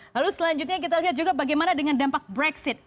lalu selanjutnya kita lihat juga bagaimana dengan dampak brexit